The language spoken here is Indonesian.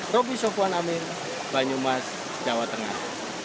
roby sofwan amin banyumas jawa tengah